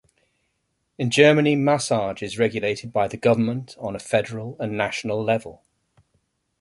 In Germany massage is regulated by the government on a federal and national level.